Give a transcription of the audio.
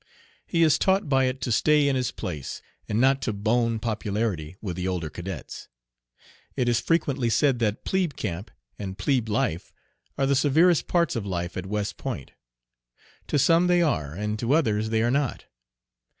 He is taught by it to stay in his place, and not to "bone popularity" with the older cadets. It is frequently said that "plebe camp" and "plebe life" are the severest parts of life at West Point. To some they are, and to others they are not.